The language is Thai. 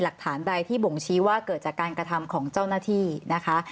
หลักฐานใดที่บ่งชี้ว่าเกิดจากการกระทำของเจ้าหน้าที่นะคะ